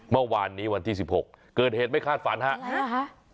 เมื่อวานนี้วันที่สิบหกเกิดเหตุไม่คาดฝันค่ะอะไรล่ะค่ะ